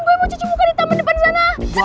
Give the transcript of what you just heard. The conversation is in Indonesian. gue mau cuci muka di taman depan sana